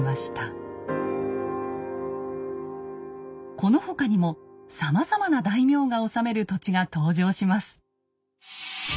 この他にもさまざまな大名が治める土地が登場します。